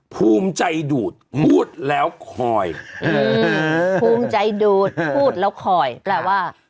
ภูมิใจดูดพูดแล้วคอยภูมิใจดูดพูดแล้วคอยแปลว่า